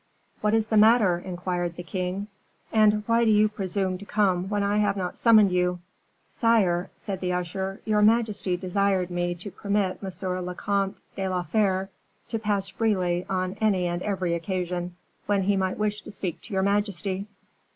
"What is the matter?" inquired the king, "and why do you presume to come when I have not summoned you?" "Sire," said the usher, "your majesty desired me to permit M. le Comte de la Fere to pass freely on any and every occasion, when he might wish to speak to your majesty."